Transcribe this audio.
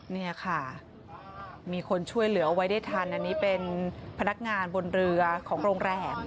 นี่ค่ะมีคนช่วยเหลือเอาไว้ได้ทันอันนี้เป็นพนักงานบนเรือของโรงแรม